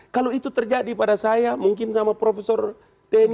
kalau itu terjadi pada saya mungkin sama prof denny